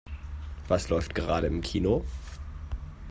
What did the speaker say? Was läuft gerade im Kino?